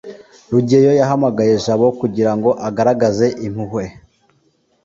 rugeyo yahamagaye jabo kugira ngo agaragaze impuhwe